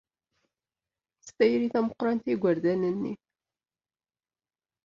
S tayri tameqrant i yigerdan-nni.